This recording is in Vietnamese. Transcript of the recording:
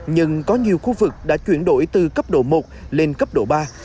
nhưng có nhiều khu vực đã chuyển đổi từ cấp độ một lên cấp độ ba